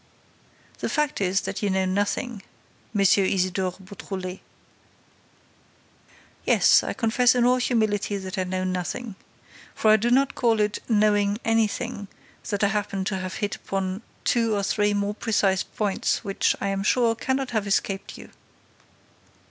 "The fact is that you know nothing, M. Isidore Beautrelet." "Yes, I confess in all humility that I know nothing. For I do not call it 'knowing anything' that I happen to have hit upon two or three more precise points which, I am sure, cannot have escaped you."